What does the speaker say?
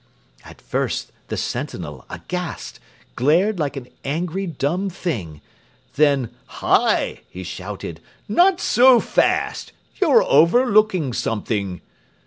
At first the sentinel, aghast, Glared like an angry dumb thing; Then "Hi!" he shouted, "not so fast, You're overlooking something!"